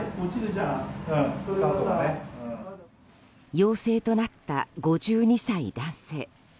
陽性となった５２歳男性。